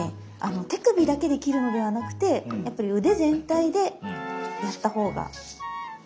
手首だけで切るのではなくてやっぱり腕全体でやったほうが切ったほうがいいと思います。